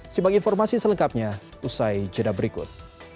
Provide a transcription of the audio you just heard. simpang informasi selengkapnya usai jeda berikut